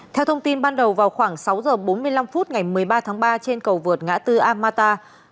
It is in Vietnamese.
theo thông tin ban đầu vào khoảng sáu h bốn mươi năm phút ngày một mươi ba tháng ba trên cầu vượt ngã tư amata